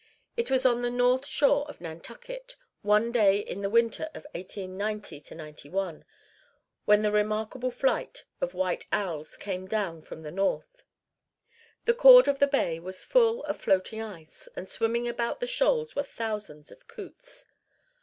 It was on the north shore of Nantucket, one day in the winter of 1890 91, when the remarkable flight of white owls came down from the north. The chord of the bay was full of floating ice, and swimming about the shoals were thousands of coots.